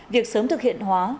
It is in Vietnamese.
việc sớm thực hiện hóa